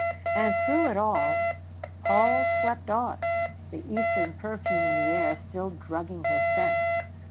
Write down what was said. And through it all Paul slept on, the Eastern perfume in the air still drugging his sense.